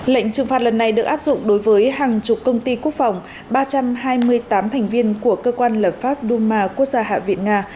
lệnh trừng phạt lần này được áp dụng đối với hàng chục công ty quốc phòng ba trăm hai mươi tám thành viên của cơ quan lập pháp duma quốc gia hạ viện nga